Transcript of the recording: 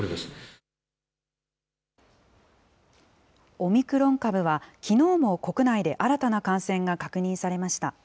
オミクロン株はきのうも国内で新たな感染が確認されました。